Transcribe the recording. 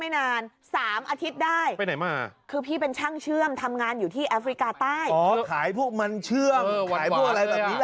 นี่คือพี่ประเสิร์จตานวานค่ะอายุ๕๒ปี